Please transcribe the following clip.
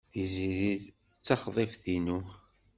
Tiziri d taxḍibt-inu.